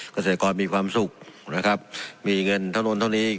เกษตรกรมีความสุขนะครับมีเงินเท่านั้นเท่านี้